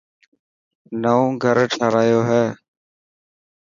نئوو گھر ٺارايو هي.